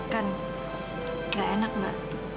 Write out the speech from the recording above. kan nggak enak mbak